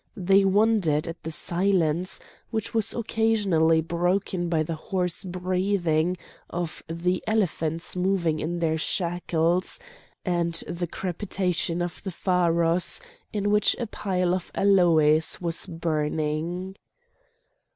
They wondered at the silence, which was occasionally broken by the hoarse breathing of the elephants moving in their shackles, and the crepitation of the pharos, in which a pile of aloes was burning.